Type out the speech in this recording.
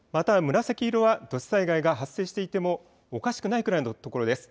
また、紫色は土砂災害が発生していてもおかしくないぐらいのところです。